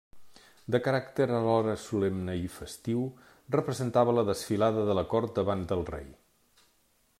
De caràcter alhora solemne i festiu, representava la desfilada de la cort davant del rei.